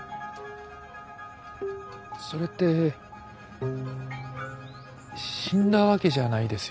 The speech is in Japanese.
それって死んだわけじゃないですよね。